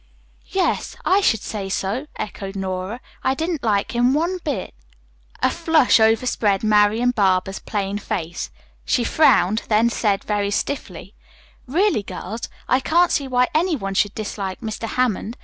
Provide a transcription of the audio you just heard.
"Yes, I should say so," echoed Nora. "I didn't like him one bit." A flush overspread Marian Barber's plain face. She frowned, then said very stiffly: "Really, girls, I can't see why any one should dislike Mr. Hammond.